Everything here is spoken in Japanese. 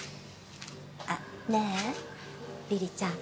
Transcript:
あっねえ梨々ちゃん